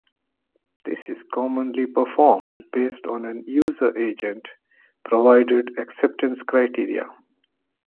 This is commonly performed based on an user-agent provided acceptance criteria.